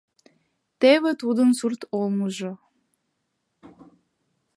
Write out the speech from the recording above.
Теве тудын сурт олмыжо...